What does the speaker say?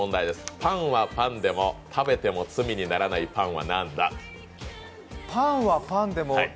パンはパンでも食べても罪にならないパンは何だ？